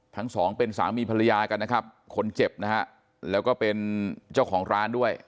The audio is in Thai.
ทั้งสองเป็นสามีภรรยากันนะครับคนเจ็บนะฮะแล้วก็เป็นเจ้าของร้านด้วย